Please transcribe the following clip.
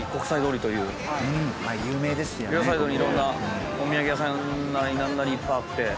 両サイドにいろんなお土産屋さんなり何なりいっぱいあって。